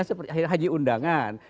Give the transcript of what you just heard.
seperti haji undangan